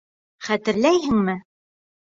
Хәтерләйһеңме?